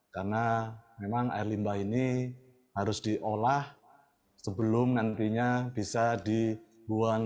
karena memang air limbah ini harus diolah sebelum nantinya bisa dibuang